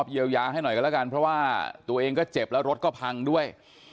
เยียวยาให้หน่อยกันแล้วกันเพราะว่าตัวเองก็เจ็บแล้วรถก็พังด้วย